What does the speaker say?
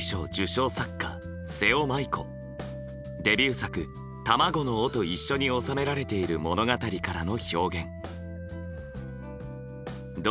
デビュー作「卵の緒」と一緒に収められている物語からの表現。